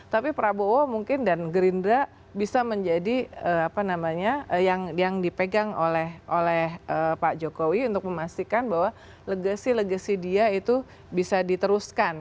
tapi prabowo mungkin dan gerindra bisa menjadi apa namanya yang dipegang oleh pak jokowi untuk memastikan bahwa legasi legasi dia itu bisa diteruskan